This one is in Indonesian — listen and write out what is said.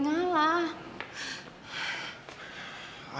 pergi naik awalnya